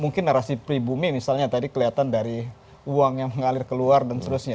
mungkin narasi pribumi misalnya tadi kelihatan dari uang yang mengalir keluar dan seterusnya